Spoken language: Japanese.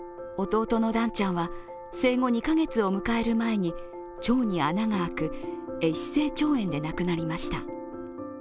弟の暖ちゃんは生後２カ月を迎える前に腸に穴が開く、え死性腸炎で亡くなりました。